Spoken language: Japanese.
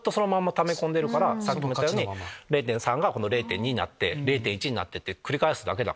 ため込んでるからさっきも言ったように０．３が０．２になって０．１になってって繰り返すだけだから。